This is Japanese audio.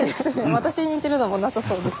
私に似てるのもなさそうです。